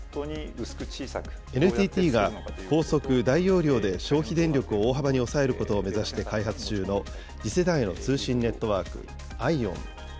ＮＴＴが高速・大容量で消費電力を大幅に抑えることを目指して開発中の次世代の通信ネットワーク、ＩＯＷＮ。